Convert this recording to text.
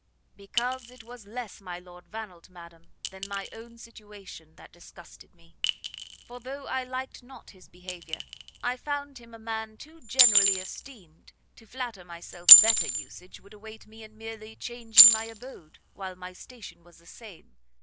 "Because it was less my Lord Vannelt, madam, than my own situation, that disgusted me: for though I liked not his behaviour, I found him a man too generally esteemed to flatter myself better usage would await me in merely changing my abode, while my station was the same.